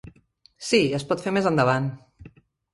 Sí, es pot fer més endavant.